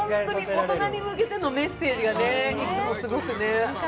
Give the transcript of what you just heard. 大人に向けてのメッセージがいつもすごくね。